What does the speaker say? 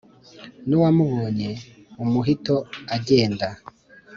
nu wamubonye umuhito agenda,